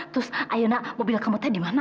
terus ayo nak mobil kamu tadi dimana